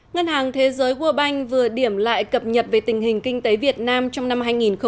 ngân hàng thế giới world bank vừa điểm lại cập nhật về tình hình kinh tế việt nam trong năm hai nghìn một mươi chín